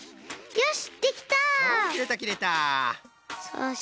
よし。